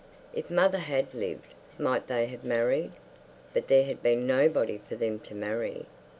If mother had lived, might they have married? But there had been nobody for them to marry.